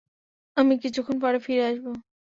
আমি কিছুক্ষণ পরে ফিরে আসব।